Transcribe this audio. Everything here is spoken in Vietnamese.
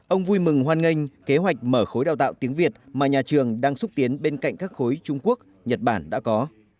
ông vui mừng hoan nghênh kế hoạch mở khối đào tạo tiếng việt mà nhà trường đang xúc tiến bên cạnh các khối trung quốc nhật bản đã có